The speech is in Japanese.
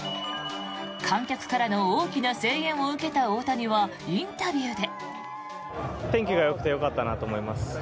観客からの大きな声援を受けた大谷は、インタビューで。